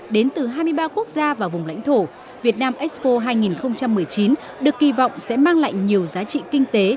đến từ hai mươi ba quốc gia và vùng lãnh thổ việt nam expo hai nghìn một mươi chín được kỳ vọng sẽ mang lại nhiều giá trị kinh tế